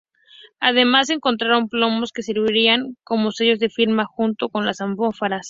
Además, se encontraron plomos que servían como sellos de firma junto con las ánforas.